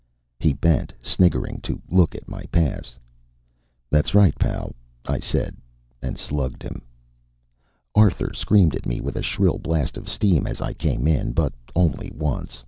He bent, sniggering, to look at my pass. "That's right, pal," I said, and slugged him. Arthur screamed at me with a shrill blast of steam as I came in. But only once.